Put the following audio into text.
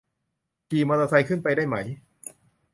ขี่มอเตอร์ไซค์ขึ้นไปได้ไหม